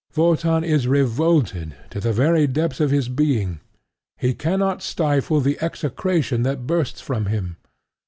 Wotan is revolted to the very depths of his being: he cannot stifle the execration that bursts from him.